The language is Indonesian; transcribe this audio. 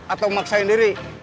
atau maksain diri